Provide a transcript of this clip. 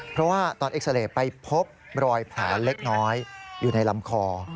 เพราะว่าตอนเอ็กซาเรย์ไปพบรอยแผลเล็กน้อยอยู่ในลำคอ